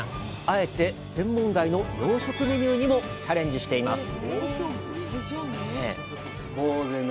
あえて専門外の洋食メニューにもチャレンジしています